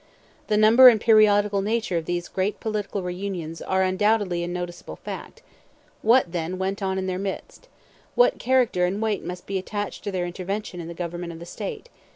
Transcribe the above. The number and periodical nature of these great political reunions are undoubtedly a noticeable fact. What, then, went on in their midst? What character and weight must be attached to their intervention in the government of the State?